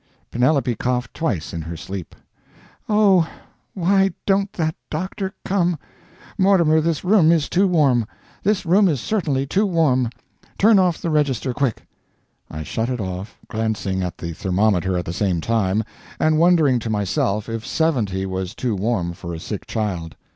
Penelope coughed twice in her sleep. "Oh, why don't that doctor come! Mortimer, this room is too warm. This room is certainly too warm. Turn off the register quick!" I shut it off, glancing at the thermometer at the same time, and wondering to myself if 70 was too warm for a sick child.